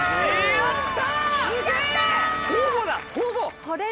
やった！